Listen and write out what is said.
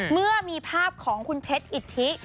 เมื่อมีภาพของคุณเพชรอิทธิ